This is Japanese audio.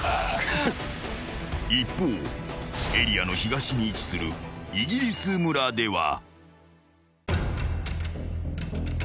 ［一方エリアの東に位置するイギリス村では］